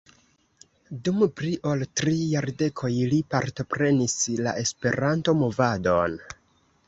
Dum pli ol tri jardekoj li partoprenis la Esperanto-movadon.